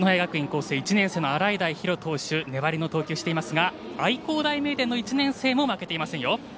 光星１年生の洗平比呂投手粘りの投球をしていますが愛工大名電の１年生も負けていませんよ。